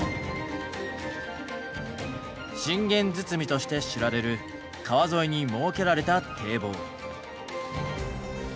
信玄堤として知られる川沿いに設けられた堤防。